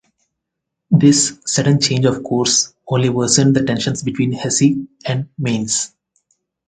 This sudden change of course only worsened the tensions between Hesse and Mainz.